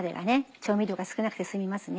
調味料が少なくて済みますね。